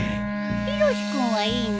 ヒロシ君はいいの？